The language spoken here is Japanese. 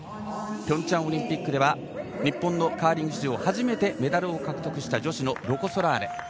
ピョンチャンオリンピックでは日本のカーリング史上初めてメダルを獲得した女子ロコ・ソラーレ。